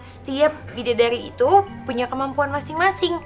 setiap beda dari itu punya kemampuan masing masing